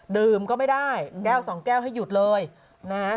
ดื่มก็ไม่ได้แก้วสองแก้วให้หยุดเลยนะฮะ